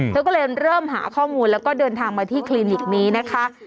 เธอก็เลยเริ่มหาข้อมูลแล้วก็เดินทางมาที่คลินิกนี้นะคะ